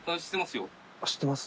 知ってます？